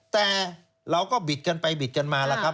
แต่เราก็บิดกันไปบิดกันมาแล้วครับ